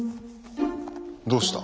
どうした。